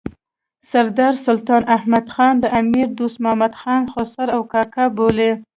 سردار سلطان احمد خان د امیر دوست محمد خان خسر او کاکا بولي.